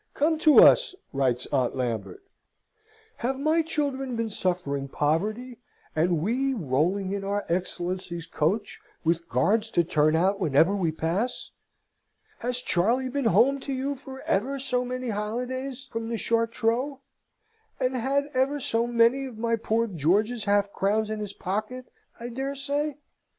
"Come to us!" writes Aunt Lambert. "Have my children been suffering poverty, and we rolling in our Excellency's coach, with guards to turn out whenever we pass? Has Charley been home to you for ever so many holidays, from the Chartreux, and had ever so many of my poor George's half crowns in his pocket, I dare say?"